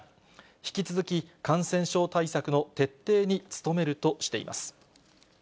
引き続き感染症対策の徹底に努めるとしています。